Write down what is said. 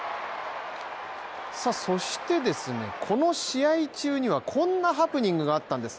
そして、この試合中にはこんなハプニングがあったんです。